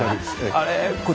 あれ？